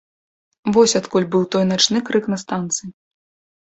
Вось адкуль быў той начны крык на станцыі.